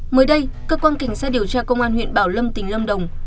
mới đây cơ quan cảnh sát điều tra công an huyện bảo lâm tỉnh lâm đồng